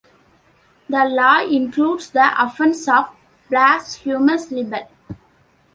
The law includes the offence of blasphemous libel.